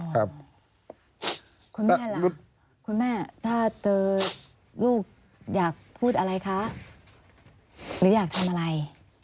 คุณแม่ล่ะคุณแม่ถ้าเจอลูกอยากพูดอะไรคะหรืออยากทำอะไร